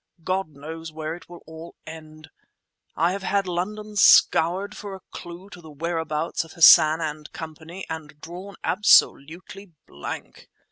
God knows where it will all end. I've had London scoured for a clue to the whereabouts of Hassan and Company and drawn absolutely blank!